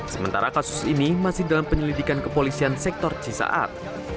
sementara kasus ini masih dalam penyelidikan kepolisian sektor cisaat